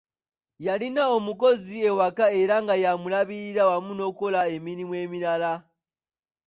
Yalina omukozi ewaka era nga y'amulabirira wamu n'okukola emirimu emirala.